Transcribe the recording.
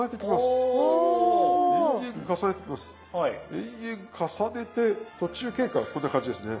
延々重ねて途中経過はこんな感じですね。